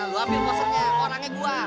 lu ambil posernya orangnya gua